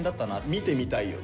見てみたいよね。